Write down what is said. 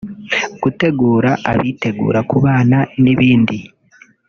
gutegura abitegura kubana n’ibindi